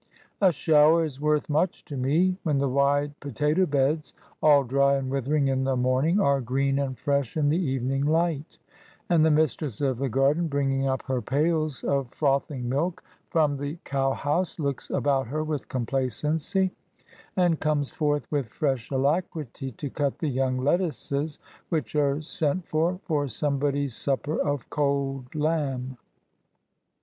A shower is worth much to me when the wide potato beds, all dry and withering in the morning, are green and fresh in the evening light; and the mistress of the garden, bringing up her pails of frothing milk from the 50 ESSAYS. cow house, looks about her with complacency, and comes forth with fresh alacrity to cut the young lettuces which are sent for, for somebody's supper of cold lamb.